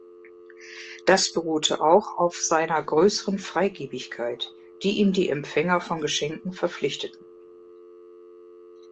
Das beruhte auch auf seiner größeren Freigiebigkeit, die ihm die Empfänger von Geschenken verpflichteten.